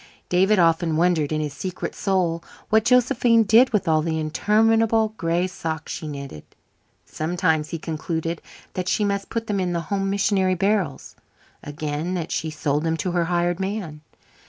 David often wondered in his secret soul what Josephine did with all the interminable gray socks she knitted. Sometimes he concluded that she put them in the home missionary barrels; again, that she sold them to her hired man.